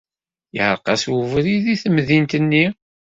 Yeɛreq-as webrid deg temdint-nni.